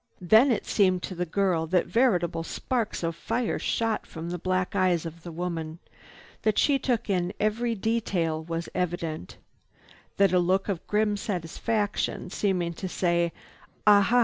Then it seemed to the girl that veritable sparks of fire shot from the black eyes of the woman. That she took in every detail was evident. That a look of grim satisfaction, seeming to say, "Ah ha!